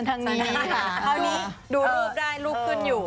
คราวนี้ดูรูปได้รูปขึ้นอยู่